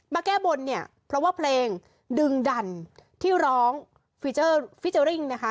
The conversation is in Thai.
แก้บนเนี่ยเพราะว่าเพลงดึงดันที่ร้องฟีเจอร์ฟิเจอร์ริ่งนะคะ